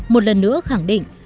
một lần nữa khẳng định